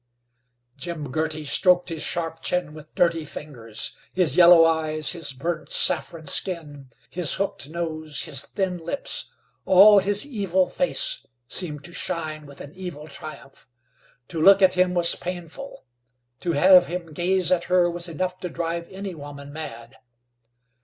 Jim Girty stroked his sharp chin with dirty fingers. His yellow eyes, his burnt saffron skin, his hooked nose, his thin lips all his evil face seemed to shine with an evil triumph. To look at him was painful. To have him gaze at her was enough to drive any woman mad.